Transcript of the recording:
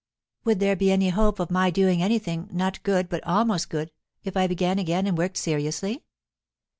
Would there be any hope of my doing anything, not good, but almost good, if I began again and worked seriously?"